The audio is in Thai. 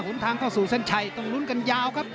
หุ้นทางเข้าสู่เส้นไช่ต้องรุนกันยาวครับ